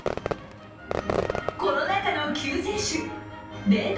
コロナ禍の救世主冷凍